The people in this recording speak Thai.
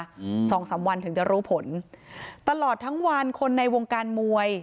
อืมสองสามวันถึงจะรู้ผลตลอดทั้งวันคนในวงการมวย